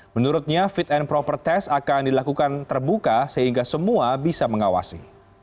menurutnya fit and proper test akan dilakukan terbuka sehingga semua bisa mengawasi